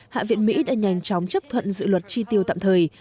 hạ viện mỹ đã nhanh chóng chấp thuận dự luật tri tiêu tạm thời